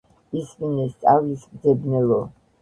ისმინე სწავლის მძებნელო